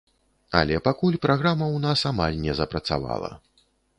Але пакуль праграма ў нас амаль не запрацавала.